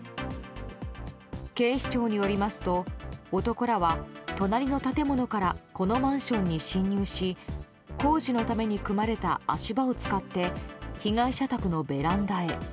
警視庁によりますと男らは隣の建物からこのマンションに侵入し工事のために組まれた足場を使って被害者宅のベランダへ。